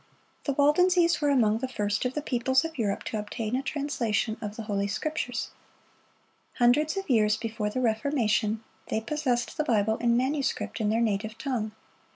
The Waldenses were among the first of the peoples of Europe to obtain a translation of the Holy Scriptures.(100) Hundreds of years before the Reformation, they possessed the Bible in manuscript in their native tongue.